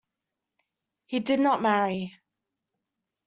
He did not marry.